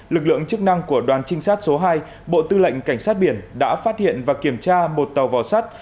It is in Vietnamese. lực lượng chức năng của đoàn trinh sát số hai bộ tư lệnh cảnh sát biển đã phát hiện và kiểm tra một tàu vỏ sắt